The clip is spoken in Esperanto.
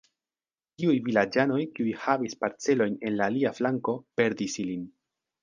Tiuj vilaĝanoj, kiuj havis parcelojn en la alia flanko, perdis ilin.